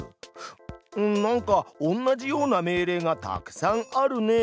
うんなんか同じような命令がたくさんあるね。